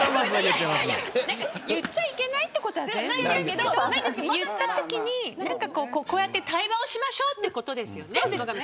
言っちゃいけないことはないですけど言ったときに、こうやって対話をしましょうということですよね。